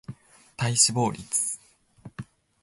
体脂肪率